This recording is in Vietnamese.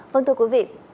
vâng thưa quý vị